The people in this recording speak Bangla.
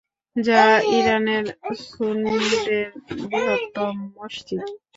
যা ইরানের সুন্নিদের বৃহত্তম মসজিদ।